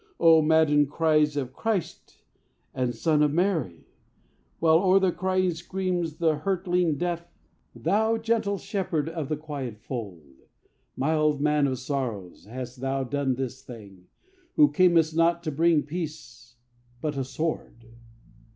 O maddened cries of 'Christ' and 'Son of Mary!' While o'er the crying screams the hurtling death.... Thou gentle shepherd of the quiet fold, Mild man of sorrows, hast thou done this thing, Who camest not to bring peace but a sword?